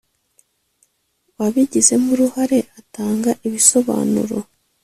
Wabigizemo uruhare atanga ibisobanuro